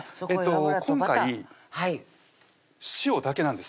今回塩だけなんです